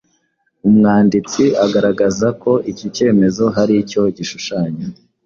Umwanditsi agaragaza ko iki cyemezo hari icyo gishushanya